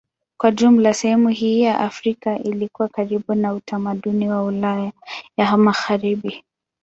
Kwa jumla sehemu hii ya Afrika ilikuwa karibu na utamaduni wa Ulaya ya Magharibi.